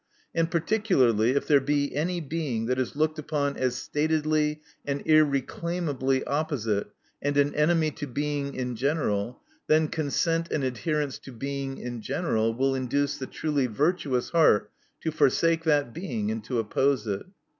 And particularly if there be any Being that is looked upon as statedly and irreclaimably opposite and an enemy to Be ing in general, then consent and adherence to Being in general will induce the truly virtuous heart to forsake that Being, and to oppose it.